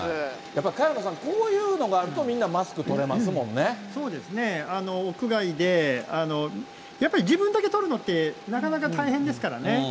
やっぱり萱野さん、こういうのがあると、そうですね、屋外で、やっぱり自分だけ取るのって、なかなか大変ですからね。